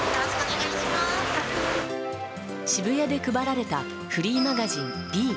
渋谷で配られたフリーマガジン「ＢＥ」。